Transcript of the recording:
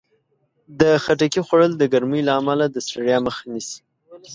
د خټکي خوړل د ګرمۍ له امله د ستړیا مخه نیسي.